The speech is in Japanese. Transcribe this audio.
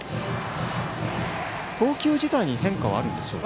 投球自体に変化はあるんでしょうか。